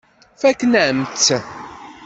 Fakkent-am-tt.